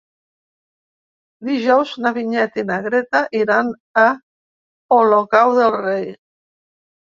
Dijous na Vinyet i na Greta iran a Olocau del Rei.